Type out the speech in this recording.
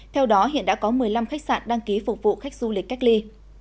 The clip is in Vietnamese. theo đó hiện đã có một mươi năm khách sạn đăng ký phục vụ khách du lịch cách ly